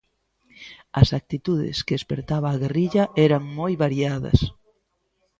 As actitudes que espertaba a guerrilla eran moi variadas.